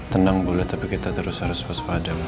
tenang boleh tapi kita terus harus pas pada ma